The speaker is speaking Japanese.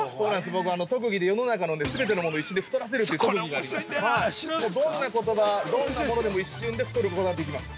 僕、特技で世の中の全てのものを一瞬で太らせるという特技がありましてどんな言葉、どんなものでも一瞬で太ることができます。